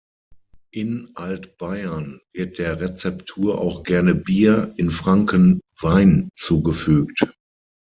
In Altbayern wird der Rezeptur auch gerne Bier, in Franken Wein zugefügt.